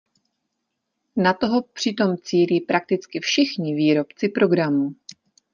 Na toho přitom cílí prakticky všichni výrobci programů.